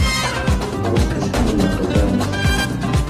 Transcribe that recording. Bosques y matorrales.